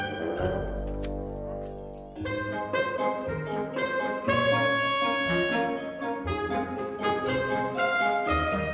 ntar liat liat kau udah beli udang udang ayam